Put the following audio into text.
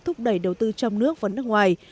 thúc đẩy đầu tư trong nước và nước ngoài